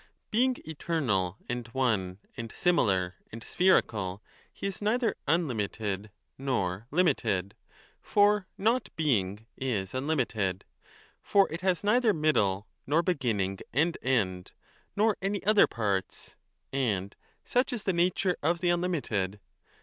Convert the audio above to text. Being eternal and one and similar and spherical, he is neither unlimited nor limited. For Not being is unlimited ; for it has neither middle nor beginning and end, nor any other parts, and such is the nature of the unlimited.